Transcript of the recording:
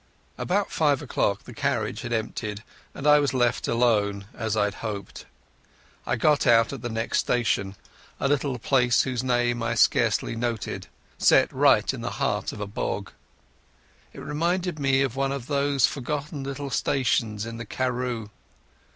About five o'clock the carriage had emptied, and I was left alone as I had hoped. I got out at the next station, a little place whose name I scarcely noted, set right in the heart of a bog. It reminded me of one of those forgotten little stations in the Karroo.